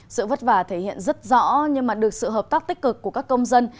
sự vất vả thể hiện rất rõ nhưng được sự hợp tác tích cực của các công dân